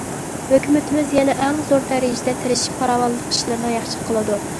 ھۆكۈمىتىمىز يەنە ئەڭ زور دەرىجىدە تىرىشىپ پاراۋانلىق ئىشلىرىنى ياخشى قىلىدۇ.